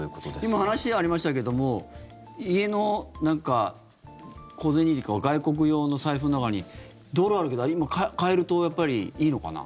今、話にありましたけども家の小銭入れか外国用の財布の中にドルあるけど今、替えるとやっぱりいいのかな。